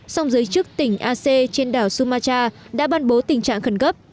song giới chức tỉnh aceh trên đảo sumatra đã ban bố tình trạng khẩn cấp